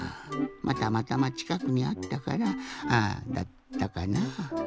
まぁたまたまちかくにあったからだったかな？